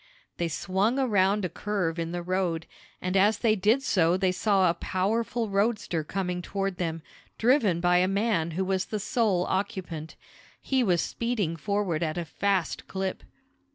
They swung around a curve in the road, and as they did so they saw a powerful roadster coming toward them, driven by a man who was the sole occupant. He was speeding forward at a fast clip.